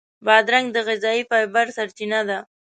بادرنګ د غذایي فایبر سرچینه ده.